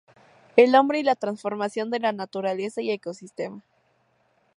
El hombre y la transformación de la naturaleza" y "Ecosistema.